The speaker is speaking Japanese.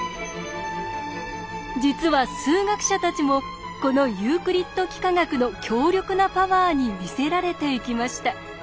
実は数学者たちもこのユークリッド幾何学の強力なパワーに魅せられていきました。